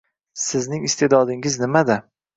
- Sizning iste'dodingiz nimada?